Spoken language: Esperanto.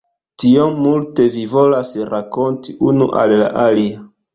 Tiom multe vi volas rakonti unu al la alia.